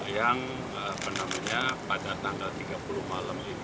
yang penamanya pada